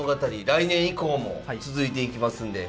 来年以降も続いていきますんで。